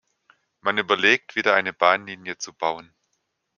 Man überlegt, wieder eine Bahnlinie zu bauen.